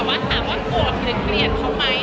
แต่ว่าถามถามว่ากลัวถึงเกลียดเขาไหม